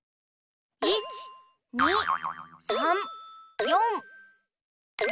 １２３４５。